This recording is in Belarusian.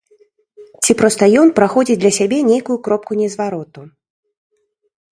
Ці проста ён праходзіць для сябе нейкую кропку незвароту.